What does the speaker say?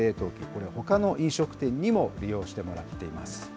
これを、ほかの飲食店にも利用してもらっています。